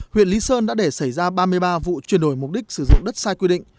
huyện lý sơn đã để xảy ra ba mươi ba vụ chuyển đổi mục đích sử dụng đất sai quy định